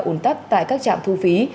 ủng tắc tại các trạm thu phí